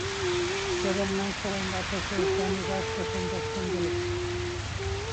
Kevin Mansell and Officers Danny Vasquez and Dustin Dillard.